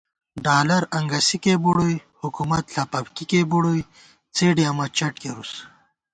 ڈالر انگَسِکےبُڑُوئی حکُومت ݪپَکِکےبُڑُوئی څېڈے امہ چٹ کېرُس